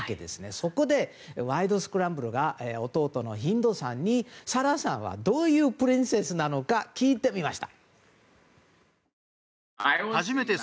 そこで「ワイド！スクランブル」が弟のヒンドーさんにサラさんはどういうプリンセスなのか聞いてみました。